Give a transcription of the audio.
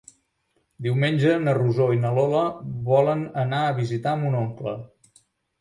Diumenge na Rosó i na Lola volen anar a visitar mon oncle.